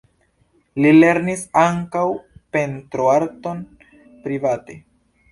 Li lernis ankaŭ pentroarton private.